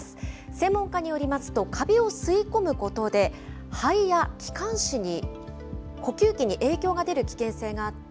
専門家によりますと、カビを吸い込むことで、肺や気管支に、呼吸器に影響が出る危険性があって、